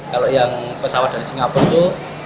kalau yang pesawat dari singapura itu